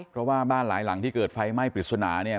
เพราะว่าบ้านหลายหลังที่เกิดไฟไหม้ปริศนาเนี่ย